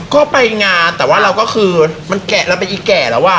ก็ไปงานแต่ว่าเราก็คือมันแกะเราเป็นอีแก่แล้วอ่ะ